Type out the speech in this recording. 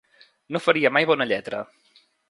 No faria mai bona lletra